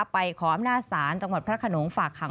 ไปขออำนาสารจังหวัดพระเขน๑๙๑๔